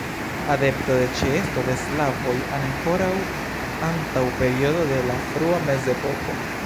Adepto de ĉeesto de slavoj ankoraŭ antaŭ periodo de la frua mezepoko.